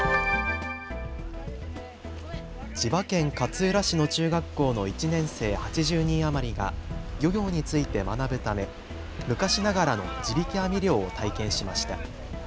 千葉県勝浦市の中学校の１年生８０人余りが漁業について学ぶため昔ながらの地引き網漁を体験しました。